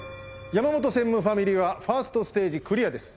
山本専務ファミリーはファーストステージクリアです。